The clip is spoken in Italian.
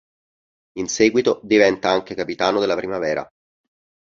In seguito diventa anche capitano della Primavera.